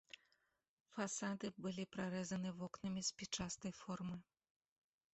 Фасады былі прарэзаны вокнамі спічастай формы.